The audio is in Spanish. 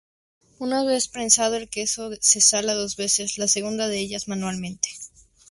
Una vez prensado, el queso se sala dos veces, la segunda de ellas manualmente.